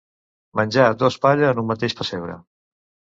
Menjar dos palla en un mateix pessebre.